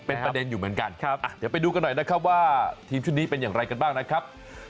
เป็นประเด็นอยู่เหมือนกันเดี๋ยวไปดูกันหน่อยนะครับว่าทีมชุดนี้เป็นอย่างไรกันบ้างนะครับ